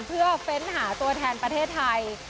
เพื่อเฟ้นหาตัวแทนประเทศไทย